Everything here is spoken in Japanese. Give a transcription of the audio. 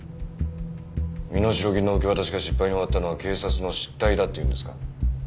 身代金の受け渡しが失敗に終わったのは警察の失態だって言うんですか？